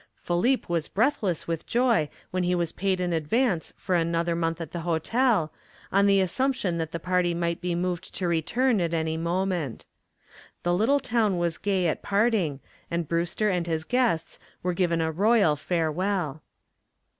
Philippe was breathless with joy when he was paid in advance for another month at the hotel, on the assumption that the party might be moved to return at any moment. The little town was gay at parting and Brewster and his guests were given a royal farewell.